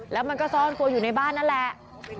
แล้วมันก็ซ่อนตัวอยู่ในบ้านนั่นแหละ